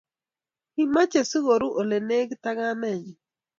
Kimachei sikoru ole lekit ak kamenyi